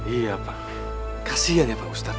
iya pak kasian ya pak ustadz